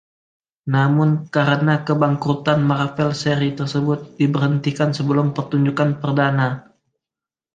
Namun, karena kebangkrutan Marvel seri tersebut diberhentikan sebelum pertunjukan perdana.